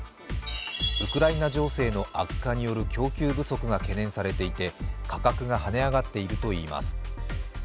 ウクライナ情勢の悪化による供給不足が懸念されていて、価格が跳ね上がっているといいます。